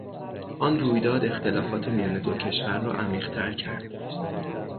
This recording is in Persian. آن رویداد اختلافات میان دو کشور را عمیقتر کرد.